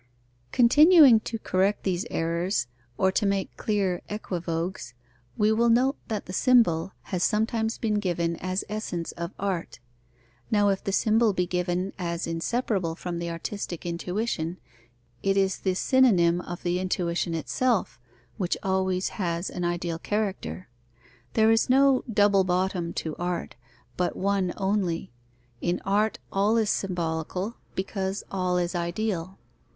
_ Continuing to correct these errors, or to make clear equivoques, we will note that the symbol has sometimes been given as essence of art. Now, if the symbol be given as inseparable from the artistic intuition, it is the synonym of the intuition itself, which always has an ideal character. There is no double bottom to art, but one only; in art all is symbolical, because all is ideal.